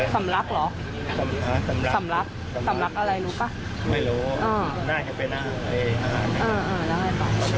สำรัก